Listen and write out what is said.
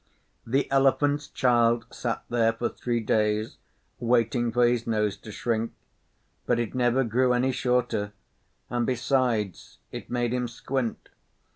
The Elephant's Child sat there for three days waiting for his nose to shrink. But it never grew any shorter, and, besides, it made him squint.